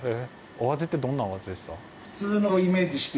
お味ってどんなお味でした？